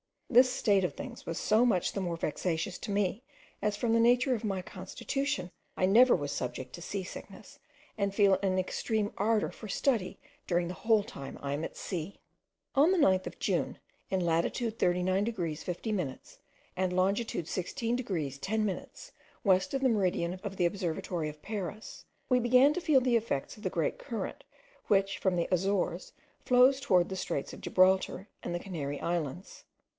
This state of things was so much the more vexatious to me as from the nature of my constitution I never was subject to sea sickness, and feel an extreme ardour for study during the whole time I am at sea. On the 9th of June, in latitude 39 degrees 50 minutes, and longitude 16 degrees 10 minutes west of the meridian of the observatory of Paris, we began to feel the effects of the great current which from the Azores flows towards the straits of Gibraltar and the Canary Islands.